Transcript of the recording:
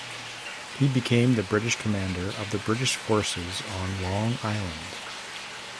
He became the British commander of the British forces on Long Island.